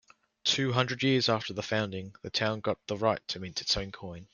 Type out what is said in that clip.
Two hundred years after founding, the town got the right to mint its own coin.